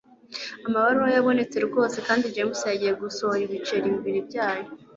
Amabaruwa yabonetse rwose kandi James yagiye gusohora ibice bibiri byayo